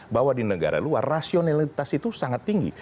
bahwa di negara luar rasionalitas itu sangat tinggi